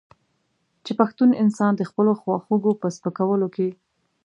چې پښتون انسان د خپلو خواخوږو په سپکولو کې.